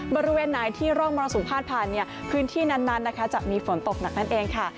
บริเวณไหนที่ร่องมรสุมพาดผ่านพื้นที่นั้นนะคะจะมีฝนตกหนักนั่นเองค่ะ